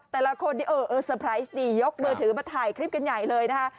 แต่ละคนสไปรไซท์นี่ยกมือถือมาไทยคลิปกันใหญ่เลยนะฮะ